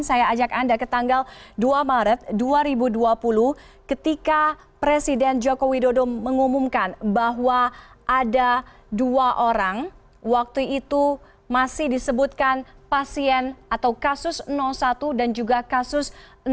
saya ajak anda ke tanggal dua maret dua ribu dua puluh ketika presiden joko widodo mengumumkan bahwa ada dua orang waktu itu masih disebutkan pasien atau kasus satu dan juga kasus enam